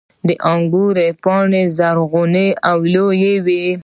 • د انګورو پاڼې زرغون او لویې وي.